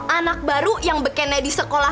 anak baru yang bekerja di sekolah